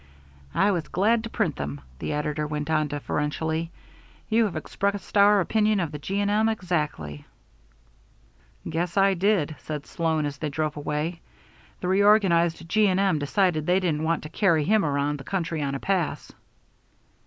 "I was glad to print them," the editor went on deferentially. "You have expressed our opinion of the G. & M. exactly." "Guess I did," said Sloan as they drove away. "The reorganized G. & M. decided they didn't want to carry him around the country on a pass."